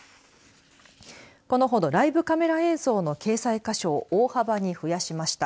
このほどライブカメラ映像の掲載箇所を大幅に増やしました。